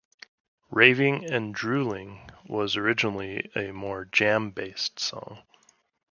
"Raving and Drooling" was originally a more jam-based song.